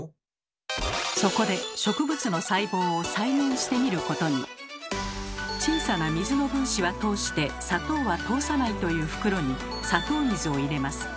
そこで「小さな水の分子は通して砂糖は通さない」という袋に砂糖水を入れます。